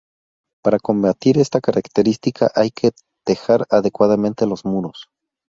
Para combatir esta característica hay que tejar adecuadamente los muros.